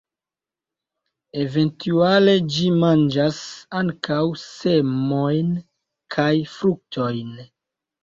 Eventuale ĝi manĝas ankaŭ semojn kaj fruktojn.